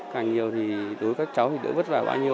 càng nhiều thì đối với các cháu thì đỡ vất vả bao nhiêu